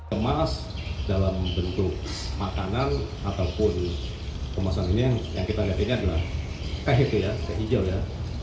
kemas dalam bentuk makanan ataupun pemasang ini yang kita lihat ini adalah kehit ke hijau ya